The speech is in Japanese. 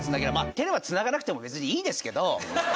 手はつながなくてもいいですけど。